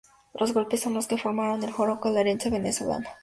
Los golpes son lo que conforman el joropo Larense Venezolano.